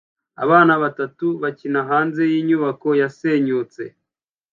Abana batatu bakina hanze yinyubako yasenyutse